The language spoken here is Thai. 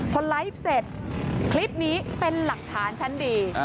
พอไลฟ์เสร็จคลิปนี้เป็นหลักฐานชั้นดี